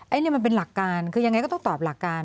อันนี้มันเป็นหลักการคือยังไงก็ต้องตอบหลักการ